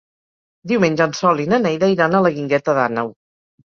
Diumenge en Sol i na Neida iran a la Guingueta d'Àneu.